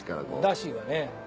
ダシがね。